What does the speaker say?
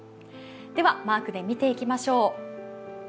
では、マークで見ていきましょう。